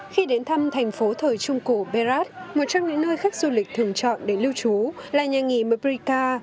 khi đến thăm thành phố thời trung cổ belart một trong những nơi khách du lịch thường chọn để lưu trú là nhà nghỉ mabrika